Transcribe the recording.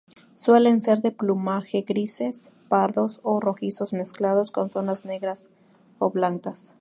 Suelen ser de plumaje grises, pardos o rojizos mezclados, con zonas negras o blancas.